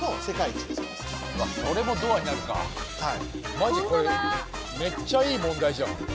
マジこれめっちゃいい問題じゃん。